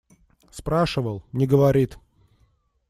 Спрашивал – не говорит.